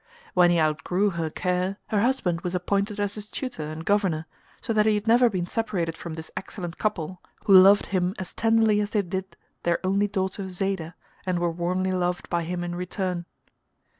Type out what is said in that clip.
When he outgrew her care her husband was appointed as his tutor and governor, so that he had never been separated from this excellent couple, who loved him as tenderly as they did their only daughter Zayda, and were warmly loved by him in return.